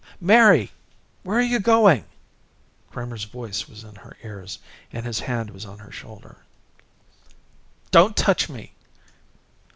"Mary! Where are you going?" Kramer's voice was in her ears, and his hand was on her shoulder. "Don't touch me!"